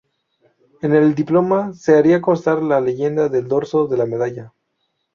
En el diploma se haría constar la leyenda del dorso de la medalla.